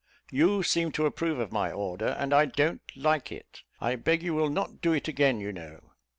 You seem to approve of my order, and I don't like it; I beg you will not do it again, you know."